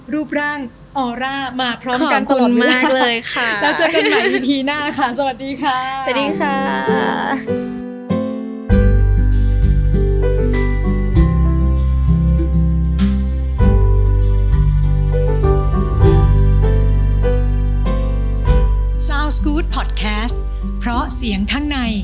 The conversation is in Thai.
รูปร่างออร่ามาพร้อมกันตลอดมากเลยค่ะ